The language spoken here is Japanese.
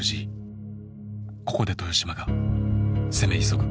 ここで豊島が攻め急ぐ。